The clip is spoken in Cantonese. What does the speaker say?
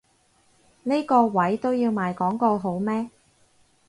呢個位都要賣廣告好咩？